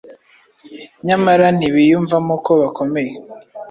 nyamara ntibiyumvamo ko bakomeye.